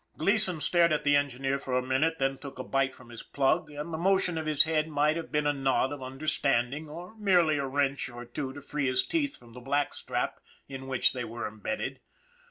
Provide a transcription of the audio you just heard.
Gleason stared at the engineer for a minute, then took a bite from his plug, and the motion of his head might have been a nod of understanding or merely a wrench or two to free his teeth from the black strap in which they were imbedded.